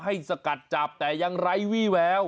สกัดจับแต่ยังไร้วี่แวว